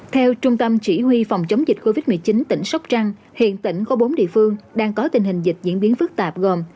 theo trung tâm chỉ huy phòng chống dịch covid một mươi chín tỉnh sóc trăng hiện tỉnh có bốn địa phương đang có tình hình dịch diễn biến phức tạp gồm